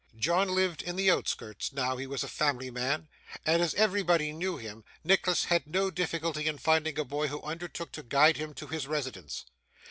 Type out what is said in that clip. John lived in the outskirts, now he was a family man; and as everbody knew him, Nicholas had no difficulty in finding a boy who undertook to guide him to his residence.